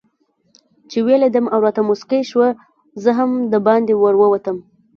ویې لیدم او راته مسکۍ شوه، زه هم دباندې ورووتم.